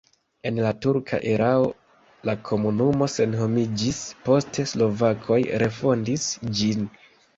En la turka erao la komunumo senhomiĝis, poste slovakoj refondis ĝin.